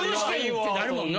ってなるもんな。